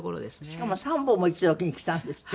しかも３本も一度にきたんですって？